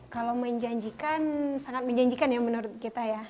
kalau menjanjikan sangat menjanjikan ya menurut kita ya